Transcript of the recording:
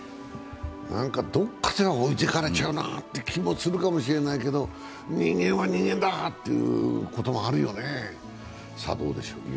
どっかで置いてかれちゃうなっていう気がするかもしれないけど人間は人間だっていうこともあるよね。